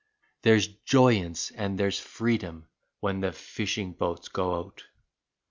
There's joyance and there's freedom when the fishing boats go out.